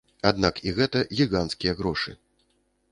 Аднак і гэта гіганцкія грошы.